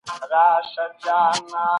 ستاسو باور له مثبت ذهنیت سره وده کوي.